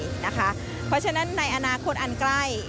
เพราะฉะนั้นในอนาคตอันใกล้